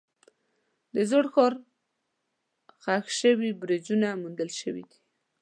د زوړ ښار ښخ شوي برجونه موندل شوي دي.